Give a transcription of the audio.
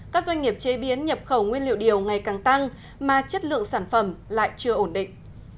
các doanh nghiệp chế biến nhập khẩu nguyên liệu điều ngày càng tăng mà chất lượng sản phẩm lại chưa ổn định